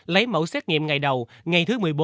lấy mẫu xét nghiệm ngày đầu ngày thứ một mươi bốn